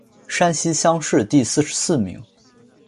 山西乡试第四十四名。